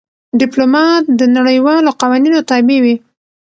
ډيپلومات د نړیوالو قوانینو تابع وي.